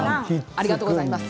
ありがとうございます。